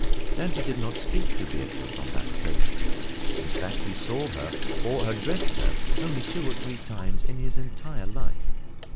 Dante did not speak to Beatrice on that occasion, in fact, he saw her, or addressed her, only two or three times in his entire life.